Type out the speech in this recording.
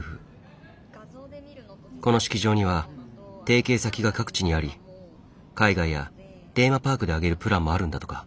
この式場には提携先が各地にあり海外やテーマパークで挙げるプランもあるんだとか。